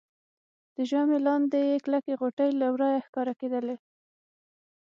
د ژامې لاندې يې کلکې غوټې له ورایه لیدل کېدلې